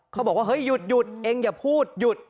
เขาบอกว่าเฮ้ยหยุดเองอย่าพูดหยุด